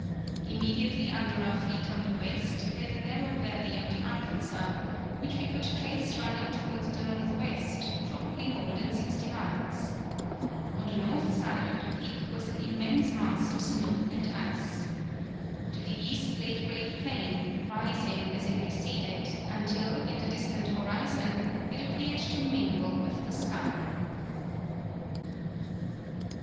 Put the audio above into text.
Immediately under our feet on the west, lay the narrow valley of the Arkansas; which we could trace running towards the north west, probably more than sixty miles. On the north side of the peak was an immense mass of snow and ice.... To the east lay the great plain, rising as it receded, until, in the distant horizon, it appeared to mingle with the sky."